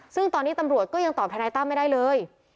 ซึ่งตอนนี้ตำรวจก็ยังตอบทนายตั้มไม่ได้เลย